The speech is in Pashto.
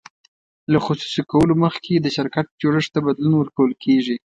له خصوصي کولو مخکې د شرکت جوړښت ته بدلون ورکول کیږي.